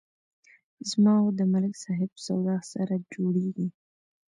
زما او د ملک صاحب سودا سره جوړیږي.